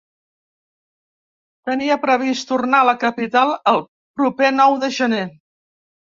Tenia previst tornar a la capital el proper nou de gener.